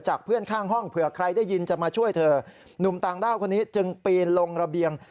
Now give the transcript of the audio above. จากเพื่อนข้างห้องเผื่อใครได้ยินจะมาช่วยเธอ